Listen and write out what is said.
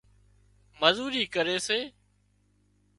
مزوري ڪري سي